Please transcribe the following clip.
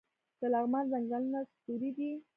د لغمان ځنګلونه سروې دي